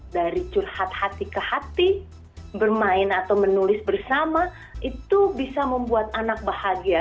dari curhat hati ke hati bermain atau menulis bersama itu bisa membuat anak bahagia